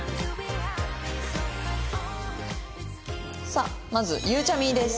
さあまずゆうちゃみです。